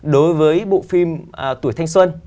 đối với bộ phim tuổi thanh xuân